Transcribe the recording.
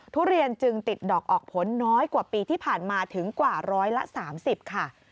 ทุเรียนจึงติดดอกออกผลน้อยกว่าปีที่ผ่านมาถึงกว่าร้อยละ๓๐ค่ะ